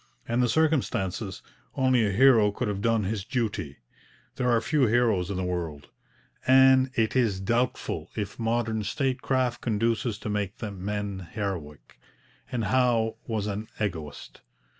In the circumstances, only a hero could have done his duty. There are few heroes in the world, and it is doubtful if modern statecraft conduces to make men heroic. And Howe was an egoist.